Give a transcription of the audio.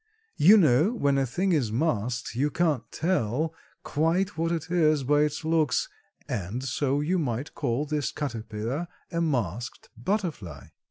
You know when a thing is masked you can't tell quite what it is by its looks and so you might call this caterpillar a masked butterfly."